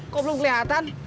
kok belum keliatan